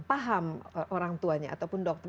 paham orang tuanya ataupun dokter